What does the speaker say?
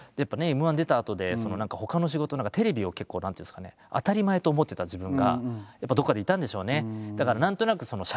Ｍ−１出たあとでほかの仕事を何かテレビを結構何ていうんですかね当たり前と思ってた自分がやっぱどこかでいたんでしょうね。